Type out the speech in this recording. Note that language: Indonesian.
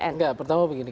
enggak pertama begini